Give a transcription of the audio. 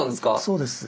そうです。